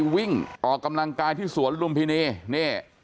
วิ่งออกกำลังกายที่สวนลุมพินีนี่